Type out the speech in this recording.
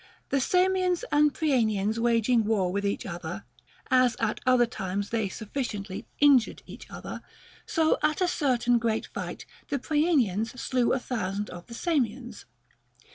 The Samians and Prienians waging Avar with each other, as at other times they sufficiently injured each other, so at a certain great fight the Prienians slew a thousand of the Samians.